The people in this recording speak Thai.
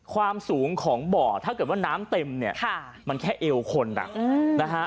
ความสูงของบ่อถ้าเกิดว่าน้ำเต็มเนี่ยมันแค่เอวคนอ่ะนะฮะ